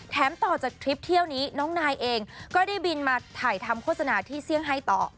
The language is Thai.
ต่อจากทริปเที่ยวนี้น้องนายเองก็ได้บินมาถ่ายทำโฆษณาที่เซี่ยงไฮต่อ